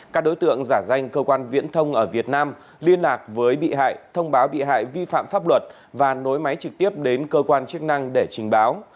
các đối tượng giả danh cơ quan viễn thông ở việt nam liên lạc với bị hại thông báo bị hại vi phạm pháp luật và nối máy trực tiếp đến cơ quan chức năng để trình báo